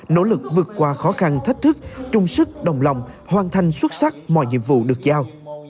nỗ lực vượt qua khó khăn thách thức trung sức đồng lòng hoàn thành xuất sắc mọi nhiệm vụ được giao